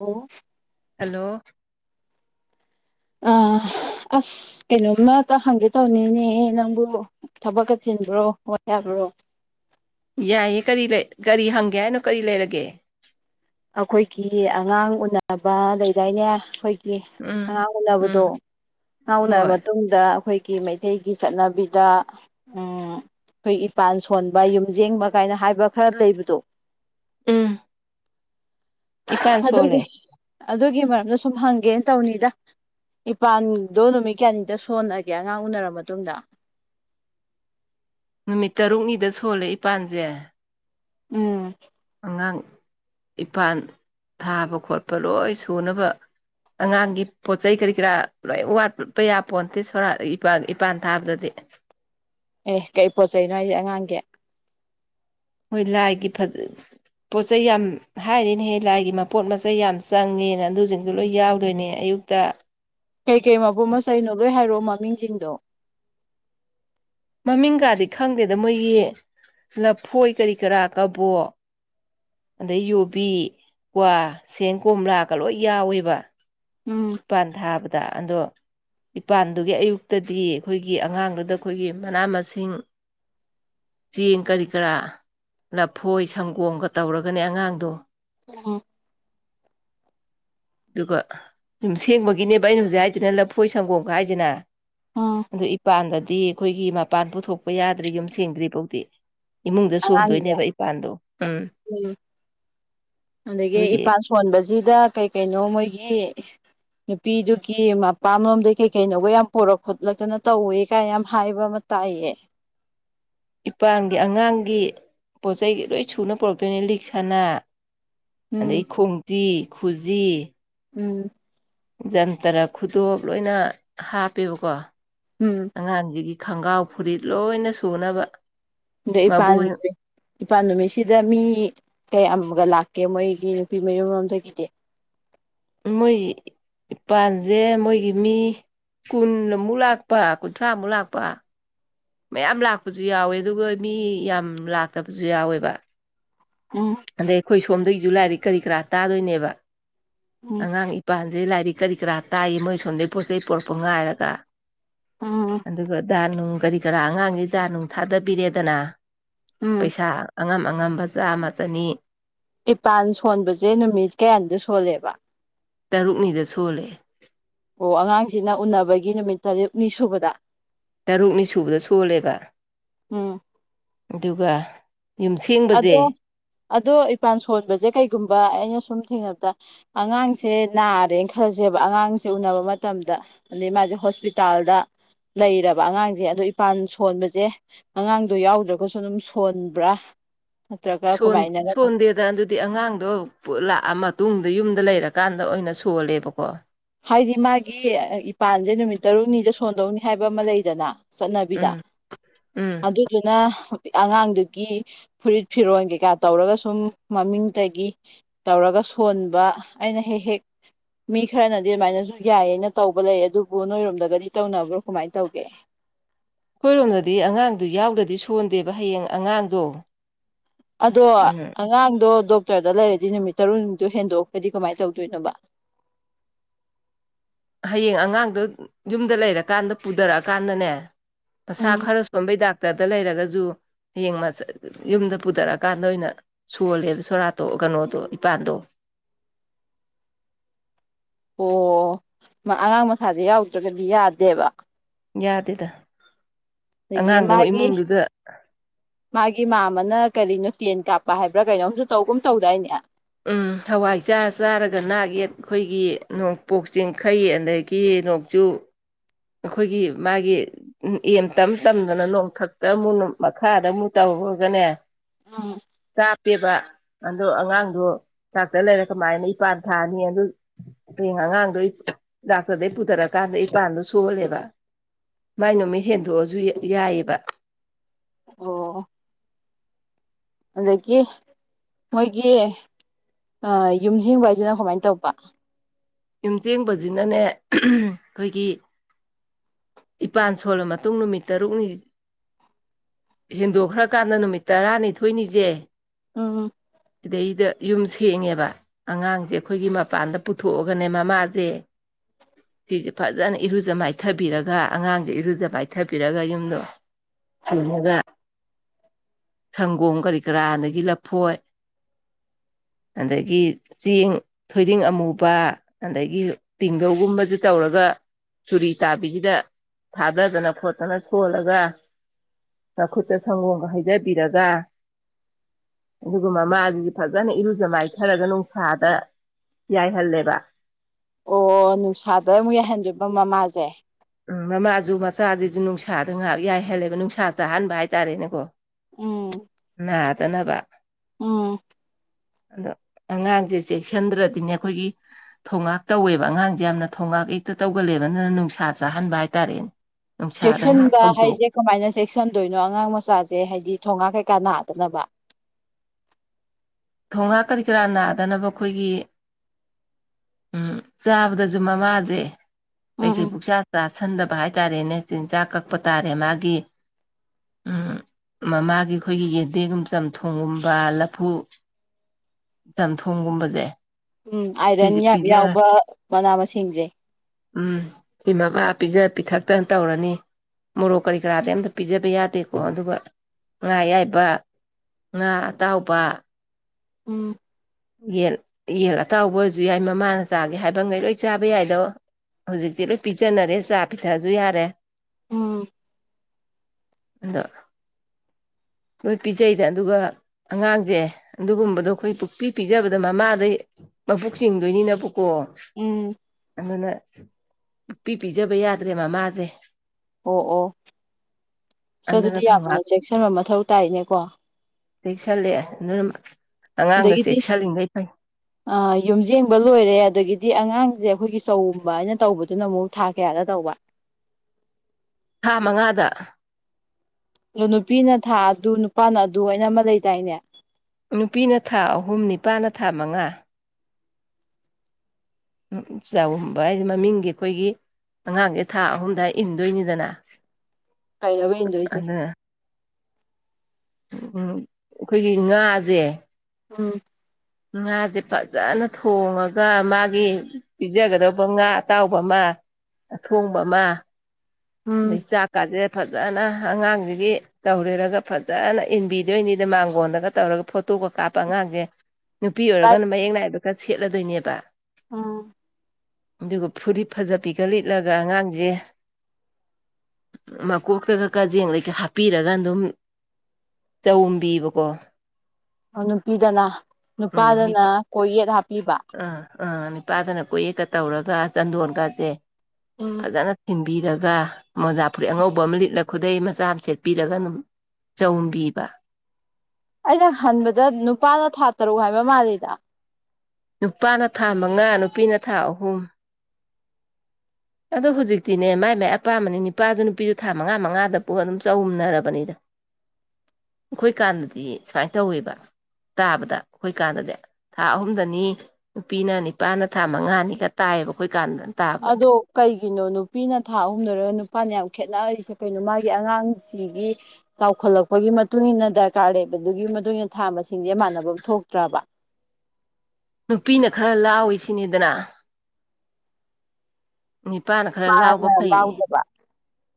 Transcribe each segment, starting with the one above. ꯑꯣ ꯍꯜꯂꯣ ꯑ ꯑꯁ ꯀꯩꯅꯣꯝꯃꯇ ꯍꯪꯒꯦ ꯇꯧꯅꯤꯅꯦ ꯅꯪꯕꯨ ꯊꯕꯛꯀ ꯆꯤꯟꯕ꯭ꯔꯣ ꯋꯥ ꯌꯥꯕ꯭ꯔꯣ ꯌꯥꯏꯌꯦ ꯀꯔꯤ ꯀꯔꯤ ꯍꯪꯒꯦ ꯍꯥꯏꯅꯣ ꯀꯔꯤ ꯂꯩꯔꯒꯦ ꯑꯩꯈꯣꯏꯒꯤ ꯑꯉꯥꯡ ꯎꯅꯕ ꯂꯩꯗꯥꯏꯅꯦ ꯑꯩꯈꯣꯏ ꯑꯦ ꯎꯝ ꯑꯉꯥꯡ ꯎꯅꯕꯗꯣ ꯎꯝ ꯑꯉꯥꯡ ꯎꯅꯔꯕ ꯍꯣꯏ ꯃꯇꯨꯡꯗ ꯑꯩꯈꯣꯏ ꯀꯤ ꯃꯩꯇꯩꯒꯤ ꯆꯠꯅꯕꯤꯗ ꯑꯩꯈꯣꯏ ꯏꯄꯥꯟ ꯁꯣꯟꯕ ꯌꯨꯝꯖꯡꯕ ꯀꯥꯏꯅ ꯍꯥꯏꯕ ꯈꯔ ꯂꯩꯕꯗꯣ ꯎꯝ ꯑꯗꯨꯒꯤ ꯑꯗꯨꯒꯤ ꯃꯔꯝꯗ ꯁꯨꯝ ꯍꯪꯒꯦꯅ ꯇꯧꯅꯤꯗ ꯏꯄꯥꯟꯗꯣ ꯅꯨꯃꯤꯠ ꯀꯌꯥꯅꯤꯛꯇ ꯁꯣꯟꯅꯛꯑꯒꯦ ꯑꯉꯥꯡ ꯎꯅꯔꯕ ꯃꯇꯨꯡꯗ ꯅꯨꯃꯤꯠ ꯇꯔꯨꯛꯅꯤꯗ ꯁꯣꯜꯂꯦ ꯏꯄꯥꯟꯁꯦ ꯎꯝ ꯑꯉꯥꯡ ꯏꯄꯥꯟ ꯊꯥꯕ ꯈꯣꯠꯄ ꯂꯣꯏ ꯁꯨꯅꯕ ꯑꯉꯥꯡꯒꯤ ꯄꯣꯠ ꯆꯩ ꯀꯔꯤ ꯀꯔꯥ ꯂꯣꯏ ꯋꯥꯠꯄꯠꯄ ꯌꯥꯄꯣꯟꯠꯇꯦ ꯁꯣꯔꯥꯠ ꯏꯄꯥꯟ ꯊꯥꯕꯗꯗꯤ ꯑꯦ ꯀꯩ ꯄꯣꯠ ꯆꯩꯅꯣ ꯑꯩꯁꯦ ꯑꯉꯥꯡꯒꯤ ꯍꯣꯏ ꯂꯥꯏꯒꯤ ꯐꯖ ꯄꯣꯠꯆꯩ ꯌꯥꯝ ꯍꯥꯏꯔꯤꯅꯦꯍꯦ ꯂꯥꯏꯒꯤ ꯃꯄꯣꯠ ꯃꯆꯩ ꯌꯥꯝ ꯆꯪꯉꯦꯅ ꯑꯗꯨꯁꯤꯡ ꯑꯗꯨ ꯂꯣꯏ ꯌꯥꯎꯗꯣꯏꯅꯦ ꯑꯌꯨꯛꯇ ꯀꯩꯀꯩ ꯃꯕꯨꯝ ꯑꯃ ꯆꯩꯅꯣ ꯂꯣꯏ ꯍꯥꯏꯔꯛꯑꯣ ꯃꯃꯤꯡꯁꯤꯡꯗꯣ ꯃꯃꯤꯡ ꯀꯥꯗꯤ ꯈꯪꯗꯦꯗ ꯃꯣꯏꯒꯤ ꯂꯐꯣꯏ ꯀꯔꯤ ꯀꯔꯥ ꯀꯕꯣ ꯑꯗꯩ ꯌꯨꯕꯤ ꯀ꯭ꯋꯥ ꯁꯦꯡ ꯀꯣꯝ ꯂꯥꯛꯀ ꯂꯣꯏ ꯌꯥꯎꯋꯦꯕ ꯎꯝ ꯏꯄꯥꯟ ꯊꯥꯕꯗ ꯑꯗꯣ ꯏꯄꯥꯟꯗꯨꯒꯤ ꯑꯌꯨꯛꯇꯗꯤ ꯑꯩꯈꯣꯏꯒꯤ ꯑꯉꯥꯡꯗꯨꯗ ꯑꯩꯈꯣꯏꯒꯤ ꯃꯅꯥ ꯃꯁꯤꯡ ꯆꯦꯡ ꯀꯔꯤ ꯀꯔꯥ ꯂꯐꯣꯏ ꯁꯪꯒꯣꯝꯒ ꯇꯧꯔꯒꯅꯦ ꯑꯉꯥꯡꯗꯣ ꯎ ꯑꯗꯨꯒ ꯌꯨꯝꯁꯦꯡꯕꯒꯤꯅꯦꯕ ꯑꯩꯅ ꯍꯧꯖꯤꯛ ꯍꯥꯏꯁꯤꯅ ꯂꯐꯣꯏ ꯁꯪꯒꯣꯝꯒ ꯍꯥꯏꯁꯤꯅ ꯎꯝ ꯑꯗꯨ ꯏꯄꯥꯟꯗꯗꯤ ꯑꯩꯈꯣꯏꯒꯤ ꯃꯄꯥꯟ ꯄꯨꯊꯣꯛꯄ ꯌꯥꯗ꯭ꯔꯦ ꯌꯨꯝ ꯁꯦꯡꯗ꯭ꯔꯤ ꯐꯥꯎꯗꯤ ꯏꯃꯨꯡꯗ ꯑꯉꯥꯡꯁꯦ ꯁꯣꯟꯗꯣꯏꯅꯦꯕ ꯏꯄꯥꯟꯗꯣ ꯎꯝ ꯑꯗꯒꯤ ꯑꯩꯈꯣꯏꯒꯤ ꯏꯄꯥꯥꯟ ꯁꯣꯟꯕꯁꯤꯗ ꯀꯩ ꯀꯩꯅꯣ ꯃꯣꯏꯒꯤ ꯅꯨꯄꯤꯗꯨꯒꯤ ꯃꯄꯥꯝ ꯂꯣꯝꯗꯒꯤ ꯀꯩ ꯀꯩꯅꯣꯒ ꯌꯥꯝ ꯄꯣꯔꯛ ꯈꯣꯠꯂꯛꯇꯅ ꯇꯧꯋꯦ ꯀꯥꯏꯅ ꯌꯥꯝ ꯍꯥꯏꯕ ꯇꯥꯏꯌꯦ ꯏꯄꯥꯥꯟꯒꯤ ꯑꯉꯥꯡꯒꯤ ꯄꯣꯠ ꯆꯩꯒꯤ ꯂꯣꯏ ꯁꯨꯅ ꯄꯨꯔꯛꯇꯣꯏꯅꯦ ꯂꯤꯛꯁꯅꯥ ꯎꯝ ꯑꯗꯩ ꯈꯣꯡꯖꯤ ꯈꯨꯖꯤ ꯎꯝ ꯖꯟꯇꯔ ꯈꯨꯗꯣꯞ ꯂꯣꯏꯅ ꯍꯥꯞꯄꯦꯕꯀꯣ ꯎꯝ ꯑꯉꯥꯡꯁꯤꯒꯤ ꯈꯣꯡꯒ꯭ꯔꯥꯎ ꯐꯨꯔꯤꯠ ꯂꯣꯏꯅ ꯁꯨꯅꯕ ꯗꯩ ꯏꯄꯥꯟ ꯃꯕꯣꯏ ꯏꯅꯤꯄꯥꯥꯟ ꯅꯨꯃꯤꯠꯁꯤꯗ ꯃꯤ ꯀꯌꯥꯝ ꯒ ꯂꯥꯛꯀꯦ ꯃꯣꯏꯒꯤ ꯅꯨꯄꯤ ꯃꯌꯨꯝꯔꯣꯝꯗꯒꯤꯗꯤ ꯃꯣꯏꯒꯤ ꯏꯄꯥꯟꯁꯦ ꯃꯣꯏꯒꯤ ꯃꯤ ꯀꯨꯟꯃꯨꯛ ꯂꯥꯛꯄ ꯀꯨꯟꯊ꯭ꯔꯥꯃꯨꯛ ꯂꯥꯛꯄ ꯃꯌꯥꯝ ꯂꯥꯛꯄꯁꯨ ꯌꯥꯎꯋꯦ ꯑꯗꯨꯒ ꯃꯤ ꯌꯥꯝ ꯂꯥꯛꯇꯕꯁꯨ ꯌꯥꯎꯋꯦꯕ ꯎꯝ ꯑꯗꯩ ꯑꯩꯈꯣꯏ ꯁꯣꯝꯗꯒꯤꯁꯨ ꯂꯥꯏꯔꯤꯛ ꯀꯔꯤ ꯀꯔꯥ ꯇꯥꯗꯣꯏꯅꯦꯕ ꯎꯝ ꯑꯉꯥꯡ ꯏꯄꯥꯟ ꯑꯗꯩ ꯂꯥꯏꯔꯤꯛ ꯀꯔꯤ ꯀꯔꯥ ꯇꯥꯏ ꯃꯣꯏ ꯁꯣꯝꯗꯗꯒꯤ ꯄꯣꯠ ꯆꯩ ꯄꯨꯣꯔꯛꯄ ꯉꯥꯏꯔꯒ ꯎꯝ ꯑꯗꯨꯒ ꯗꯥ ꯅꯨꯡ ꯀꯔꯤ ꯀꯔꯥ ꯑꯉꯥꯡꯒꯤ ꯗꯥ ꯅꯨꯡ ꯊꯥꯗꯕꯤꯔꯦꯗꯅ ꯎꯝ ꯄꯩꯁꯥ ꯑꯉꯝ ꯑꯉꯝꯕ ꯆꯥꯃ ꯆꯅꯤ ꯏꯄꯥꯟ ꯁꯣꯟꯕꯁꯦ ꯅꯨꯃꯤꯠ ꯀꯌꯥꯅꯤꯗ ꯁꯣꯜꯂꯦꯕ ꯇꯔꯨꯛꯅꯤꯗ ꯁꯣꯜꯂꯦ ꯑꯣ ꯑꯉꯥꯡꯁꯤꯅ ꯎꯟꯅꯅꯕꯒꯤ ꯅꯨꯃꯤꯠ ꯇꯔꯦꯠꯅꯤ ꯁꯨꯕꯗ ꯇꯔꯨꯛꯅꯤ ꯁꯨꯕꯗ ꯁꯣꯜꯂꯦꯕ ꯎꯝ ꯑꯗꯨꯒ ꯌꯨꯝꯁ ꯑꯗꯣ ꯑꯗꯣ ꯏꯄꯥꯟ ꯁꯣꯟꯕꯁꯦ ꯀꯩꯒꯨꯝꯕ ꯑꯩꯅ ꯁꯨꯝ ꯊꯦꯡꯅꯕꯗ ꯑꯉꯥꯡꯁꯦ ꯅꯥꯔꯦꯅ ꯈꯜꯁꯦꯕ ꯑꯉꯥꯡꯁꯦ ꯎꯅꯕ ꯃꯇꯝꯗ ꯑꯗꯩ ꯃꯥꯁꯦ ꯍꯣꯁꯄꯤꯇꯥꯜꯗ ꯂꯩꯔꯕ ꯑꯉꯥꯡꯁꯦ ꯑꯗꯣ ꯏꯄꯥꯟ ꯁꯣꯟꯕꯁꯦ ꯑꯉꯥꯡꯗꯣ ꯌꯥꯎꯗ꯭ꯔꯒꯁꯨ ꯑꯗꯨꯝ ꯁꯣꯟꯕ꯭ꯔꯥ ꯅꯠꯇ꯭ꯔꯒ ꯁꯣꯟ ꯀꯃꯥꯏꯅꯒ ꯇꯧ ꯁꯣꯟꯗꯦ ꯑꯗ ꯑꯗꯨꯗꯤ ꯑꯉꯥꯡꯗꯣ ꯂꯥꯛꯑ ꯃꯇꯨꯡꯗ ꯌꯨꯝꯗ ꯂꯩꯔꯀꯥꯟꯗ ꯑꯣꯏꯅ ꯁꯣꯜꯂꯦꯕꯀꯣ ꯍꯥꯏꯗꯤ ꯃꯥꯒꯤ ꯏꯄꯥꯟꯁꯦ ꯅꯨꯃꯤꯠ ꯇꯔꯨꯛꯅꯤꯗ ꯁꯣꯟꯗꯧꯅꯤ ꯍꯥꯏꯕ ꯑꯃ ꯂꯩꯗꯅ ꯆꯠꯅꯕꯤꯗ ꯎꯝ ꯎꯝ ꯑꯗꯨꯗꯨꯅ ꯑꯉꯥꯡꯗꯨꯒꯤ ꯐꯨꯔꯤꯠ ꯐꯤꯔꯣꯟ ꯀꯩꯀꯥ ꯇꯧꯔꯒ ꯁꯨꯝ ꯃꯃꯤꯡꯇꯒꯤ ꯇꯧꯔꯒ ꯁꯣꯟꯕ ꯑꯩꯅ ꯍꯦꯛ ꯍꯦꯛ ꯃꯤ ꯈꯔꯅ ꯑꯗꯨ ꯑꯗꯨꯃꯥꯏꯅꯁꯨ ꯌꯥꯏꯌꯦꯅ ꯇꯧꯕ ꯂꯩ ꯑꯗꯨꯕꯨ ꯅꯣꯏꯔꯣꯝꯗꯒꯗꯤ ꯇꯧꯅꯕ꯭ꯔꯣ ꯀꯃꯥꯏꯅ ꯇꯧꯒꯦ ꯑꯩꯈꯣꯏꯔꯣꯝꯗꯗꯤ ꯑꯉꯥꯡꯗꯨ ꯌꯥꯎꯗ꯭ꯔꯗꯤ ꯁꯣꯟꯗꯦꯕ ꯍꯌꯦꯡ ꯑꯉꯥꯡꯗꯣ ꯑꯗꯣ ꯎꯝ ꯑꯉꯥꯡꯗꯣ ꯗꯣꯛꯇꯔꯗ ꯂꯩꯔꯗꯤ ꯅꯨꯃꯤꯠ ꯇꯔꯨꯅꯤꯗꯣ ꯍꯦꯟꯗꯣꯛꯄꯗꯤ ꯀꯃꯥꯏꯅ ꯇꯧꯗꯣꯏꯅꯣꯕ ꯍꯌꯦꯡ ꯑꯉꯥꯡꯗꯨꯣ ꯌꯨꯝꯗ ꯂꯩꯔꯀꯥꯟꯗ ꯄꯨꯊꯔꯛꯑꯀꯥꯟꯗꯅꯦ ꯑꯁ ꯁꯥ ꯎꯝ ꯈꯔ ꯁꯣꯕꯩꯗꯥꯛ ꯗꯥꯛꯇꯔꯗ ꯂꯩꯔꯒꯁꯨ ꯍꯌꯦꯡ ꯌꯨꯝꯗ ꯄꯨꯊꯔꯛꯑꯀꯥꯟꯗ ꯑꯣꯏꯅ ꯁꯣꯜꯂꯦꯕ ꯁꯣꯔꯥꯠꯇꯣ ꯀꯩꯅꯣꯗꯣ ꯏꯄꯥꯥꯟꯗꯣ ꯑꯣ ꯑꯉꯥꯡ ꯃꯁꯥꯁꯦ ꯌꯥꯎꯗ꯭ꯔꯒꯗꯤ ꯌꯥꯗꯦꯕ ꯌꯥꯗꯦꯗ ꯑꯗꯒꯤ ꯑꯉꯥꯡꯗ ꯃꯥꯒꯤ ꯏꯃꯨꯡꯗꯨꯗ ꯃꯥꯒꯤ ꯃꯥꯃꯅ ꯀꯔꯤꯅꯣ ꯇꯦꯟ ꯀꯥꯞꯄ ꯍꯥꯏꯕ꯭ꯔꯥ ꯀꯩꯅꯣꯝꯁꯨ ꯇꯧꯒꯨꯝ ꯇꯧꯗꯥꯏꯅꯦ ꯎꯝ ꯍꯋꯥꯏ ꯆꯥꯔ ꯆꯥꯔꯒ ꯅꯥ ꯌꯦ ꯑꯩꯈꯣꯏꯒꯤ ꯅꯣꯡꯄꯣꯛ ꯆꯦꯡꯈꯩ ꯑꯗꯒꯤ ꯒꯤ ꯅꯣꯛꯆꯨ ꯑꯩꯈꯣꯏꯒꯤ ꯃꯥꯒꯤ ꯎ ꯏꯟ ꯇꯝ ꯇꯝꯗꯅ ꯅꯣꯡꯊꯛꯇ ꯑꯃꯨꯛ ꯃꯈꯥꯗ ꯑꯃꯨꯛ ꯇꯧꯔꯨꯔꯒꯅꯦ ꯆ ꯎꯝ ꯆꯠꯇꯦꯕ ꯑꯗꯣ ꯑꯉꯥꯡꯗꯣ ꯆꯥꯛꯇ ꯂꯩꯔ ꯀꯃꯥꯏꯅ ꯏꯄꯥꯟ ꯊꯥꯅꯤ ꯑꯗꯨ ꯍꯌꯦꯡ ꯑꯉꯥꯡꯗꯣ ꯂꯥꯛꯇꯗꯩ ꯄꯨꯊꯔꯀꯥꯟꯗ ꯏꯄꯥꯟꯗ ꯆꯣꯜꯂꯦꯕ ꯃꯥꯏ ꯅꯨꯣꯡꯃꯤꯠ ꯍꯦꯟꯗꯣꯛꯑꯁꯨ ꯌꯥꯏꯑꯕ ꯑꯣ ꯑꯗꯒꯤ ꯃꯣꯏꯒꯤ ꯑ ꯌꯨꯝꯁꯤꯡꯕ ꯍꯥꯏꯗꯨꯅ ꯀꯃꯥꯏꯅ ꯇꯧꯕ ꯌꯨꯝ ꯆꯦꯡꯕꯁꯤꯅꯅꯦ ꯑꯩꯈꯣꯏꯒꯤ ꯏꯄꯥꯟ ꯁꯣꯜꯂ ꯃꯇꯨꯡ ꯅꯨꯃꯤꯠ ꯇꯔꯨꯛꯅꯤ ꯍꯦꯟꯗꯣꯛꯈ꯭ꯔꯀꯥꯟꯗ ꯅꯨꯃꯤꯠ ꯇꯔꯥꯅꯤꯊꯣꯏꯅꯤꯁꯦ ꯑꯣ ꯁꯤꯗꯩꯗ ꯌꯨꯝ ꯁꯦꯡꯉꯦꯕ ꯑꯉꯥꯡꯁꯦ ꯑꯩꯈꯣꯏꯒꯤ ꯃꯄꯥꯟꯗ ꯄꯨꯊꯣꯛꯑꯒ ꯒꯅꯦ ꯃꯥ ꯃꯖꯦ ꯁꯤꯁꯦ ꯐꯖꯅ ꯏꯔꯨꯖ ꯃꯥꯏꯊꯕꯤꯔꯒ ꯑꯉꯥꯡꯁꯦ ꯏꯔꯨꯖ ꯃꯥꯏꯊꯕꯤꯔꯒ ꯌꯨꯝꯗꯣ ꯁꯤꯃꯒ ꯁꯪꯒꯣꯝ ꯀꯔꯤ ꯀꯔꯥꯗꯒꯤ ꯂꯐꯣꯏ ꯑꯗꯒꯤ ꯆꯦꯡ ꯊꯣꯏꯗꯤꯡ ꯑꯃꯨꯕ ꯑꯗꯒꯤ ꯇꯤꯡꯒꯧꯒꯨꯝꯕꯁꯨ ꯇꯧꯔꯒ ꯆꯨꯔꯤ ꯇꯥꯕꯤꯒꯤꯗ ꯊꯥꯗꯗꯅ ꯈꯣꯠꯇꯅ ꯁꯣꯜꯂꯒ ꯃꯈꯨꯠꯇ ꯁꯪꯒꯣꯝꯒ ꯍꯩꯗꯕꯤꯔꯒ ꯑꯗꯨꯒ ꯃꯃꯥꯗꯨꯖꯦ ꯐꯖꯅ ꯏꯔꯨꯖ ꯃꯥꯏꯊꯔꯒ ꯅꯨꯡꯁꯥꯗ ꯌꯥꯏꯍꯜꯂꯦꯕ ꯑꯣ ꯅꯨꯡꯁꯥꯗ ꯑꯃꯨꯛ ꯌꯥꯏꯍꯟꯗꯣꯏꯕ ꯃꯃꯥꯁꯦ ꯎꯝ ꯃꯃꯥꯁꯨ ꯃꯆꯥꯁꯤꯁꯨ ꯅꯨꯡꯁꯥꯗ ꯉꯥꯏꯍꯥꯛ ꯌꯥꯏꯍꯜꯂꯦꯕ ꯅꯨꯡꯁꯥ ꯆꯥꯍꯟꯕ ꯍꯥꯏꯇꯥꯔꯦꯅꯦꯀꯣ ꯎꯝ ꯉꯗꯅꯕ ꯎꯝ ꯑꯗꯣ ꯑꯉꯥꯡꯁꯦ ꯆꯦꯛꯁꯤꯟꯗ꯭ꯔꯗꯤꯅꯦ ꯑꯩꯈꯣꯏꯒꯤ ꯊꯣꯡꯒꯥꯛ ꯇꯧꯋꯦꯕ ꯑꯉꯥꯡꯁꯦ ꯌꯥꯝꯅ ꯊꯣꯡꯒꯥꯛ ꯍꯦꯛꯇ ꯇꯧꯒꯜꯂꯦꯕ ꯑꯗꯨꯅ ꯅꯨꯡꯁꯥ ꯆꯥꯍꯟꯕ ꯍꯥꯏꯇꯥꯔꯦꯅꯦ ꯅꯨꯡꯁꯥꯗ ꯉꯥꯏꯍꯥꯛ ꯆꯦꯛꯁꯤꯟꯕ ꯐꯧꯗꯣꯛ ꯍꯥꯏꯁꯦ ꯀꯃꯥꯏꯅ ꯆꯦꯛꯁꯤꯟꯗꯣꯏꯅꯣ ꯑꯉꯥꯡ ꯃꯆꯥꯁꯦ ꯍꯥꯏꯗꯤ ꯊꯣꯡꯒ ꯀꯩꯀꯥ ꯅꯥꯗꯅꯕ ꯊꯣꯡꯒ ꯀꯔꯤ ꯀꯔꯥ ꯅꯥꯗꯅꯕ ꯑꯩꯈꯣꯏꯒꯤ ꯎꯝ ꯆꯥꯕꯗꯁꯨ ꯃꯃꯥꯁꯦ ꯎꯝ ꯀꯩ ꯀꯩ ꯎꯝ ꯄꯨꯡꯆꯥ ꯆꯥꯁꯟꯗꯕ ꯍꯥꯏꯇꯥꯔꯦꯅꯦ ꯆꯤꯟꯖꯥꯛ ꯀꯛꯄ ꯇꯥꯔꯦ ꯃꯥꯒꯤ ꯎ ꯃꯃꯥꯒꯤ ꯑꯩꯈꯣꯏꯒꯤ ꯌꯦꯟꯗꯦꯝ ꯆꯝꯊꯣꯡꯒꯨꯝꯕ ꯂꯐꯨ ꯆꯝꯊꯣꯡꯒꯨꯝꯕꯁꯦ ꯎꯝ ꯑꯥꯏꯔꯟ ꯁꯤꯁꯦ ꯌꯥꯝ ꯄꯤꯖꯔ ꯌꯥꯎꯕ ꯃꯅꯥ ꯃꯁꯤꯡꯁꯦ ꯎꯝ ꯁꯤ ꯃꯃꯥ ꯄꯤꯖ ꯄꯤꯊꯛꯇꯅ ꯇꯧꯔꯅꯤ ꯃꯣꯔꯣꯛ ꯀꯔꯤ ꯀꯔꯥꯁꯦ ꯑꯝꯇ ꯄꯤꯖꯕ ꯌꯥꯗꯦꯀꯣ ꯑꯗꯨꯒ ꯉꯥꯌꯥꯏꯕ ꯉꯥ ꯑꯇꯥꯎꯕ ꯎꯝ ꯌꯦꯟ ꯌꯦꯟ ꯑꯇꯥꯎꯕ ꯑꯣꯢꯔꯁꯨ ꯌꯥꯏ ꯃꯃꯥꯅ ꯆꯥꯒꯦ ꯍꯥꯏꯕꯈꯩ ꯂꯣꯏ ꯆꯥꯕ ꯌꯥꯏꯗꯣ ꯍꯧꯖꯤꯛꯇꯤ ꯂꯣꯏ ꯄꯤꯖꯅꯔꯦ ꯆꯥ ꯄꯤꯊꯛꯑꯁꯨ ꯌꯥꯔꯦ ꯎꯝ ꯑ [inaudible] ꯂꯣꯏ ꯄꯤꯖꯩꯗ ꯑꯗꯨꯒ ꯑꯉꯥꯡꯁꯦ ꯑꯗꯨꯒꯨꯝꯕꯗꯣ ꯑꯩꯈꯣꯏ ꯄꯪꯄꯤ ꯄꯤꯖꯕꯗꯣ ꯃꯃꯥꯗꯩ ꯃꯕꯨꯨꯛ ꯆꯤꯡꯗꯣꯏꯅꯤꯅ ꯀꯣ ꯎꯝ ꯑꯗꯨꯅ ꯄꯪꯄꯤ ꯄꯤꯖꯕ ꯌꯥꯗ꯭ꯔꯦ ꯃꯃꯥꯁꯦ ꯑꯣ ꯑꯣ ꯑꯗꯨꯗꯤ ꯑꯗꯨꯅ ꯌꯥꯝꯅ ꯊꯣꯡꯒꯥꯛ ꯆꯦꯛꯁꯤꯟꯕ ꯃꯊꯧ ꯇꯥꯏꯅꯦꯀꯣ ꯆꯦꯛꯁꯜꯂꯦ ꯑꯗꯨꯅ ꯑꯉꯥꯡꯗ ꯑꯗꯒꯤꯗꯤ ꯆꯦꯛꯁꯜꯂꯤꯉꯩ ꯐꯩ ꯑ ꯌꯨꯝꯖꯦꯡꯕ ꯂꯣꯏꯔꯦ ꯑꯗꯒꯤꯗꯤ ꯑꯉꯥꯡꯁꯦ ꯑꯩꯈꯣꯏꯒꯤ ꯆꯧꯒꯨꯝꯕ ꯍꯥꯏꯅ ꯇꯧꯕꯗꯨꯅ ꯑꯃꯨꯛ ꯊꯥ ꯀꯌꯥꯗ ꯇꯧꯕ ꯊꯥ ꯃꯉꯥꯗ ꯑꯗꯣ ꯅꯨꯄꯤꯅ ꯊꯥ ꯑꯗꯨ ꯅꯨꯄꯥꯅ ꯑꯗꯨ ꯑꯃ ꯂꯩꯗꯥꯏꯅꯦ ꯅꯨꯄꯤꯅ ꯊꯥ ꯑꯍꯨꯝ ꯅꯤꯄꯥꯅ ꯊꯥ ꯃꯉꯥ ꯆꯧꯒꯨꯝꯕ ꯍꯥꯏꯗꯤ ꯃꯃꯤꯡꯒꯤ ꯑꯩꯈꯣꯏꯒꯤ ꯑꯉꯥꯡꯁꯦ ꯊꯥ ꯑꯍꯨꯝꯗ ꯏꯟꯗꯣꯏꯅꯤꯗꯅ ꯀꯩꯅꯣꯕ ꯏꯟꯗꯣꯏꯁꯦ ꯎꯝ ꯑꯩꯈꯣꯏꯒꯤ ꯉꯥꯁꯦ ꯎꯝ ꯉꯥꯁꯦ ꯐꯖꯅ ꯊꯣꯡꯉꯒ ꯃꯥꯒꯤ ꯄꯤꯖꯒꯗꯧꯕ ꯉꯥ ꯑꯇꯥꯎꯕ ꯑꯃ ꯑꯊꯣꯡꯕ ꯑꯃ ꯎꯝ ꯑꯗꯩ ꯆꯥꯛꯀꯁꯦ ꯐꯖꯅ ꯑꯉꯥꯡꯁꯤꯒꯤ ꯇꯧꯔꯦꯔꯒ ꯐꯖꯅ ꯏꯟꯕꯤꯗꯣꯏꯅꯤꯗ ꯃꯥꯡꯒꯣꯟꯗꯒ ꯇꯧꯔꯒ ꯐꯣꯇꯣꯒ ꯀꯥꯞꯄ ꯑꯉꯥꯡꯁꯦ ꯅꯨꯄꯤ ꯂꯥꯏꯛ ꯑꯣꯏꯔꯒꯅ ꯃꯌꯦꯛ ꯅꯥꯏꯕꯒ ꯁꯦꯠꯂꯗꯣꯏꯅꯦꯕ ꯎꯝ ꯑꯗꯨꯒ ꯐꯨꯔꯤꯠ ꯐꯖꯕꯤꯒ ꯂꯤꯠꯂꯒ ꯑꯉꯥꯡꯁꯦ ꯃꯀꯣꯛꯇꯒ ꯀꯖꯦꯡ ꯂꯩꯒ ꯍꯥꯞꯄꯤꯔꯒ ꯑꯗꯨꯝ ꯆꯧꯎꯝꯕꯤꯕꯀꯣ ꯅꯨꯄꯤꯗꯥꯅ ꯅꯨꯄꯥꯗꯅ ꯀꯣꯌꯦꯠ ꯍꯥꯞꯄꯤꯕ ꯎꯥ ꯑꯥ ꯅꯤꯄꯥꯗꯅ ꯀꯣꯌꯦꯀꯥ ꯇꯧꯔꯒꯥ ꯆꯟꯗꯣꯟ ꯀꯥꯖꯦ ꯎꯝ ꯐꯖꯅ ꯊꯤꯟꯕꯤꯔꯒꯥ ꯃꯣꯖꯥ ꯐꯨꯔꯤ ꯑꯉꯧꯕ ꯑꯃ ꯂꯤꯠꯂ ꯈꯨꯗꯩ ꯃꯆꯥ ꯑꯃ ꯁꯦꯠꯄꯤꯔꯒꯥ ꯑꯗꯨꯝ ꯆꯧꯎꯨꯝꯕꯤꯕ ꯑꯩꯅ ꯍꯟꯕꯗꯥ ꯅꯨꯄꯥꯅ ꯊꯥ ꯇꯔꯨꯛ ꯍꯥꯏꯕ ꯃꯥꯜꯂꯤꯗꯥ ꯅꯨꯄꯥꯅ ꯊꯥ ꯃꯉꯥ ꯅꯨꯄꯤꯅ ꯊꯥ ꯑꯍꯨꯝ ꯑꯗꯣ ꯍꯧꯖꯤꯛꯇꯤꯅꯦ ꯃꯥꯏ ꯃꯥꯏ ꯑꯄꯥꯝꯕꯅꯤ ꯅꯨꯄꯥꯖꯨ ꯅꯨꯄꯤꯖꯨ ꯊꯥ ꯃꯉꯥ ꯃꯉꯥꯗꯥ ꯄꯨ ꯑꯗꯨꯝ ꯆꯥꯎꯨꯝꯅꯔꯥꯕꯅꯤꯗꯥ [inaudible] ꯑꯩꯈꯣꯏꯀꯥꯟꯗꯗꯤ ꯁꯨꯃꯥꯏꯅ ꯇꯧꯋꯦꯕ ꯆꯥꯕꯗ ꯑꯩꯈꯣꯏꯀꯥꯟꯗꯗꯤ ꯊꯥ ꯑꯍꯨꯝꯗꯅꯤ ꯅꯨꯄꯤꯅ ꯅꯤꯄꯥꯅ ꯊꯥ ꯃꯉꯥꯅꯤ ꯀꯥꯢꯅ ꯇꯥꯏꯌꯦꯕ ꯑꯩꯈꯣꯏꯀꯥꯟꯗ ꯑꯗꯣ ꯀꯩꯒꯤꯅꯣ ꯅꯨꯄꯤꯅ ꯊꯥ ꯑꯍꯨꯝꯗ ꯑꯣꯢꯔꯒ ꯅꯨꯄꯥꯅ ꯌꯥꯝ ꯈꯦꯠꯅꯔꯤꯁꯦ ꯀꯩꯅꯣ ꯃꯥꯒꯤ ꯑꯉꯥꯡꯁꯤꯒꯤ ꯆꯥꯎꯈꯠꯂꯛꯄꯒꯤ ꯃꯇꯨꯡ ꯏꯟꯅ ꯗꯔꯀꯥꯔ ꯂꯩꯕꯗꯨꯒꯤ ꯃꯇꯨꯡꯟꯅ ꯊꯥ ꯃꯁꯤꯡꯁꯦ ꯃꯥꯟꯅꯕꯝ ꯊꯣꯛꯇ꯭ꯔꯕ ꯅꯨꯄꯤꯅ ꯈꯔ ꯂꯥꯎꯢꯁꯤꯅꯤꯗꯅ ꯅꯤꯄꯥꯥꯅ ꯈꯔ ꯂꯥꯎꯕ ꯃꯥꯅ ꯐꯩꯌꯦ ꯂꯥꯎꯗꯕ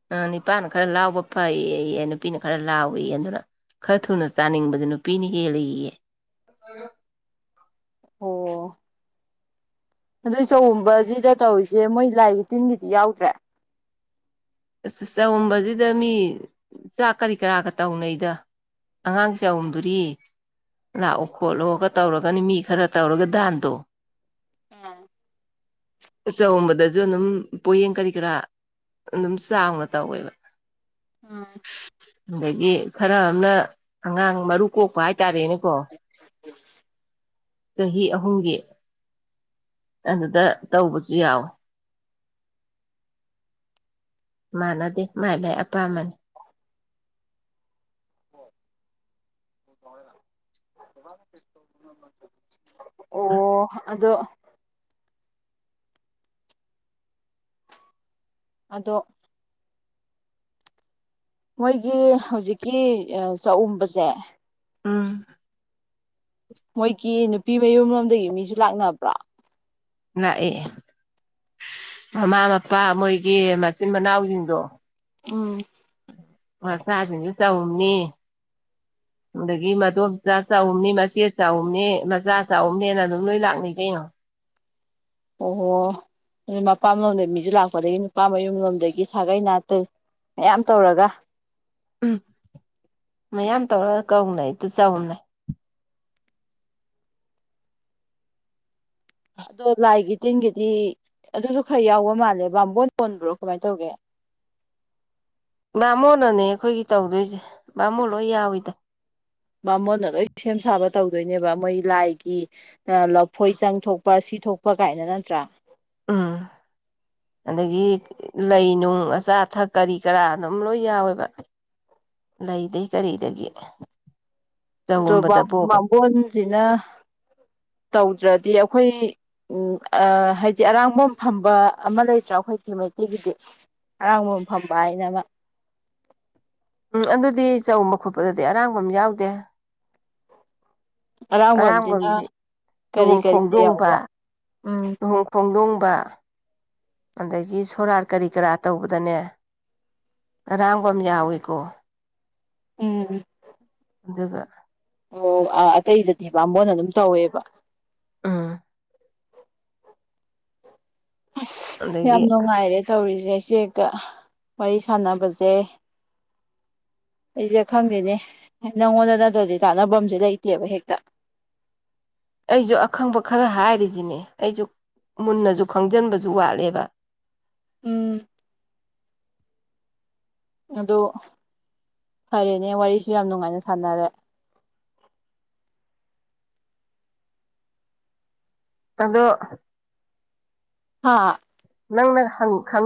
ꯑ ꯅꯤꯄꯥꯅ ꯈꯔ ꯂꯥꯎꯕ ꯐꯩꯌꯦ ꯅꯨꯄꯤꯅ ꯈꯔ ꯂꯥꯎꯏ ꯑꯗꯨꯅ ꯈꯔ ꯊꯨꯅ ꯆꯥꯅꯤꯡꯕꯗꯤ ꯅꯨꯄꯤꯅ ꯍꯦꯜꯂꯦꯌꯦ ꯑꯣ ꯑꯗꯨꯗꯤ ꯆꯥꯎꯨꯝꯕꯖꯤꯗꯥ ꯇꯧꯔꯤꯖꯦ ꯃꯣꯏ ꯂꯥꯏꯒꯤ ꯇꯤꯟꯒꯤꯗꯤ ꯌꯥꯎꯗ꯭ꯔꯦ ꯑꯁ ꯆꯨꯝꯕꯖꯤꯗꯥ ꯃꯤ ꯆꯥꯛ ꯀꯔꯤ ꯀꯔꯥꯒꯥ ꯇꯧꯅꯩꯗ ꯑꯉꯥꯡ ꯆꯥꯎꯨꯝꯗꯨꯔꯤ ꯂꯥꯛꯑꯣ ꯈꯣꯠꯂꯣꯒꯥ ꯇꯧꯔꯒꯅꯤ ꯃꯤ ꯈꯔ ꯇꯧꯔꯒꯥ ꯗꯥꯟꯗꯣ ꯆꯥꯎꯨꯝꯕꯗꯥꯖꯨ ꯑꯗꯨꯝ ꯄꯣꯌꯦꯡ ꯀꯔꯤ ꯀꯔꯥ ꯑꯗꯨꯝ ꯆꯥꯎꯅ ꯇꯧꯋꯦꯕ ꯑꯥꯝ ꯑꯗꯥꯒꯤ ꯈꯔ ꯑꯃꯅ ꯑꯉꯥꯡ ꯃꯔꯨ ꯀꯣꯛꯄ ꯍꯥꯏꯇꯥꯔꯦꯅꯦꯀꯣ [unintelligible] ꯆꯍꯤ ꯑꯍꯨꯝꯒꯤ ꯑꯗꯨꯗꯥ ꯇꯧꯕꯖꯨ ꯌꯥꯎꯋꯦ ꯃꯥꯟꯅꯗꯦ ꯃꯥꯏ ꯃꯥꯏ ꯑꯄꯥꯝꯕꯅꯤ [unintelligible] ꯑꯣ ꯑꯗꯣ ꯑꯗꯣ ꯃꯣꯏꯒꯤ ꯍꯧꯖꯤꯛꯀꯤ ꯆꯥꯎꯨꯝꯕꯖꯦ ꯎꯝ ꯃꯣꯏꯒꯤ ꯅꯨꯄꯤ ꯃꯌꯨꯝꯔꯣꯝꯗꯥꯒꯤ ꯃꯤꯖꯨ ꯂꯥꯛꯅꯕ꯭ꯔꯣ ꯂꯥꯛꯑꯦ ꯃꯃꯥ ꯃꯄꯥ ꯃꯣꯏꯒꯤ ꯃꯆꯤꯟ ꯃꯅꯥꯎꯖꯤꯡꯗꯣ ꯎꯝ ꯃꯆꯥꯖꯤꯡꯗꯣ ꯆꯥꯎꯨꯝꯅꯤ [inaudible] ꯑꯗꯥꯒꯤ ꯃꯗꯣꯝꯆꯥ ꯆꯥꯎꯨꯝꯅꯤ ꯃꯆꯦꯠ ꯆꯥꯎꯨꯝꯅꯤ ꯃꯆꯥ ꯆꯥꯎꯨꯝꯅꯤꯅ ꯑꯗꯨꯝ ꯂꯣꯏ ꯂꯥꯛꯅꯩ ꯀꯩꯅꯣ ꯑꯣꯍꯣ ꯑꯗꯨ ꯃꯄꯥꯝ ꯂꯣꯝꯗꯩ ꯃꯤꯖꯨ ꯂꯥꯛꯄ ꯑꯗꯥꯒꯤ ꯅꯨꯄꯥ ꯃꯌꯨꯝꯂꯣꯝꯗꯥꯒꯤ ꯁꯥꯒꯩ ꯅꯥꯇꯩ ꯃꯌꯥꯝ ꯇꯧꯔꯒꯥ ꯎꯝ ꯃꯌꯥꯝ ꯇꯧꯔꯒꯥ ꯀꯧꯅꯩ ꯑꯗꯨ ꯆꯥꯎꯨꯝꯅꯩ ꯑꯗꯣ ꯂꯥꯏꯒꯤ ꯇꯤꯟꯒꯤꯗꯤ ꯑꯗꯨꯖꯨ ꯈꯔ ꯌꯥꯎꯕ ꯃꯥꯜꯂꯦ ꯕꯥꯝꯕꯣꯟ ꯍꯣꯟꯕ꯭ꯔꯣ ꯀꯃꯥꯏꯟ ꯇꯧꯒꯦ ꯕꯥꯃꯣꯟꯅꯅꯦ ꯑꯩꯈꯣꯏꯒꯤ ꯇꯧꯗꯣꯏꯖꯦ ꯕꯥꯃꯣꯟ ꯂꯣꯏ ꯌꯥꯎꯏꯤꯗꯥ ꯕꯥꯃꯣꯟꯅ ꯂꯣꯏ ꯁꯦꯝ ꯁꯥꯕ ꯇꯧꯗꯣꯏꯅꯦꯕ ꯃꯣꯏ ꯂꯥꯏꯒꯤ ꯂꯐꯣꯏ ꯆꯪꯊꯣꯛꯄ ꯁꯤ ꯊꯣꯛꯄ ꯀꯥꯏꯅ ꯅꯠꯇ꯭ꯔꯥ [inaudible] ꯑꯗꯥꯒꯤ ꯂꯩꯅꯨꯡ ꯑꯆꯥ ꯑꯊꯛ ꯀꯔꯤ ꯀꯔꯥ ꯑꯗꯨꯝ ꯂꯣꯏ ꯌꯥꯎꯋꯦꯕ ꯂꯩꯗꯩ ꯀꯔꯤꯗꯒꯤ ꯑꯣ ꯆꯒꯨꯝꯕꯗꯕꯣꯕ ꯕꯥꯒꯣꯟꯁꯤꯅ ꯇꯧꯗ꯭ꯔꯗꯤ ꯑꯩꯈꯣꯏ ꯎꯝ ꯍꯥꯏꯗꯤ ꯑꯔꯥꯡꯐꯝꯝ ꯐꯝꯕ ꯑꯃ ꯂꯩꯇ꯭ꯔꯥ ꯑꯩꯈꯣꯏꯒꯤ ꯃꯩꯇꯩꯒꯤꯗꯤ ꯑꯔꯥꯡꯕ ꯐꯝꯕ ꯍꯥꯏꯅ ꯑꯃ ꯎꯝ ꯑꯗꯨꯗꯤ ꯆꯕ ꯈꯣꯠꯄꯗꯗꯤ ꯑꯔꯥꯡꯕ ꯑꯃ ꯌꯥꯎꯗꯦ ꯑꯔꯥꯡꯕꯝꯁꯤꯅ ꯑꯔꯥꯡꯕꯗꯤ ꯀꯔꯤ ꯀꯔꯤꯗ ꯂꯍꯣꯡꯈꯣꯡꯗꯣꯡꯕ ꯌꯥꯎꯕ ꯎꯝ ꯂꯍꯣꯡ ꯊꯣꯡꯗꯣꯡꯕ ꯑꯗꯒꯤ ꯁꯣꯔꯥꯔ ꯀꯔꯤ ꯀꯔꯥ ꯇꯧꯕꯗꯅꯦ ꯔꯥꯡꯒꯝ ꯌꯥꯋꯤꯀꯣ ꯎꯝ ꯑꯗꯨꯒꯥ ꯑꯣ ꯑꯥ ꯑꯇꯩꯗꯗꯤ ꯕꯥꯝꯕꯣꯟꯅ ꯑꯗꯨꯝ ꯇꯧꯋꯦꯕ ꯎꯝ ꯑꯁ ꯌꯥꯝ ꯑꯗꯒꯤ ꯅꯨꯡꯉꯥꯏꯔꯦ ꯇꯧꯔꯤꯖꯦ ꯏꯆꯦꯒꯥ ꯋꯥꯔꯤ ꯁꯥꯟꯅꯕꯖꯦ ꯑꯩꯖꯦ ꯈꯪꯗꯦꯅꯦ ꯅꯪꯉꯣꯟꯗꯥ ꯅꯠꯇ꯭ꯔꯗꯤ ꯇꯥꯟꯅꯕꯝꯖꯦ ꯂꯩꯇꯦꯕ ꯍꯦꯛꯇꯥ ꯑꯩꯖꯨ ꯑꯈꯪꯕ ꯈꯔ ꯍꯥꯏꯔꯤꯖꯤꯅꯦ ꯑꯩꯖꯨ ꯃꯨꯟꯅꯖꯨ ꯈꯪꯖꯤꯟꯕꯖꯨ ꯋꯥꯠꯂꯦꯕ ꯎꯝ ꯑꯗꯨ ꯐꯔꯦꯅꯦ ꯋꯥꯔꯤꯖꯨ ꯌꯥꯝ ꯅꯨꯡꯉꯥꯏꯅ ꯁꯥꯟꯅꯔꯦ ꯑꯗꯣ ꯍꯥ ꯅꯪꯅ ꯈꯪꯉꯤ